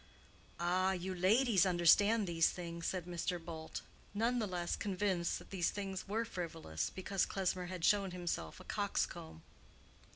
"Ah, you ladies understand these things," said Mr. Bult, none the less convinced that these things were frivolous because Klesmer had shown himself a coxcomb.